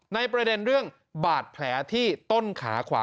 ในประเด็นเรื่องบาดแผลที่ต้นขาขวา